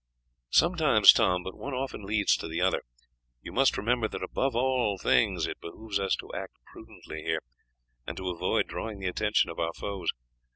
"Sometimes, Tom, but one often leads to the other. You must remember that above all things it behoves us to act prudently here, and to avoid drawing the attention of our foes.